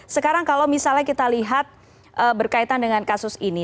sekarang kalau misalnya kita lihat berkaitan dengan kasus ini